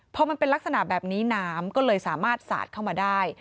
พอมันเป็นลักษณะแบบนี้น้ำก็เลยสามารถสาดเข้ามาได้